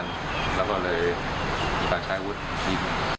เรียกกันแล้วก็เลยกลับใช้วุฒิ